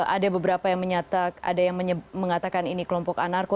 ada beberapa yang mengatakan ini kelompok anarko